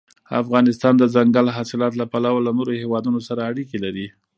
افغانستان د دځنګل حاصلات له پلوه له نورو هېوادونو سره اړیکې لري.